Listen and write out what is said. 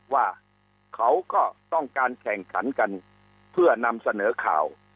ว่าเขาก็ต้องการแข่งขันกันเพื่อนำเสนอข่าว